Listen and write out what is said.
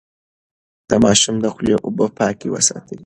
د ماشوم د خولې اوبه پاکې وساتئ.